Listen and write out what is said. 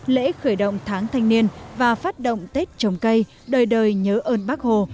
lễ khởi động tháng thanh niên và phát động tết trồng cây đời đời nhớ ơn bác hồ